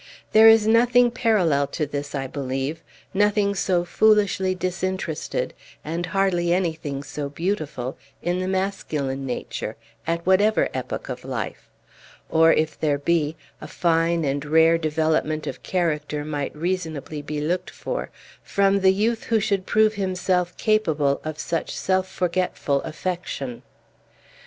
There is nothing parallel to this, I believe, nothing so foolishly disinterested, and hardly anything so beautiful, in the masculine nature, at whatever epoch of life; or, if there be, a fine and rare development of character might reasonably be looked for from the youth who should prove himself capable of such self forgetful affection.